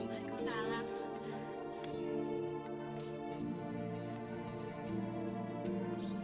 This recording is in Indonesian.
makasih mbak assalamualaikum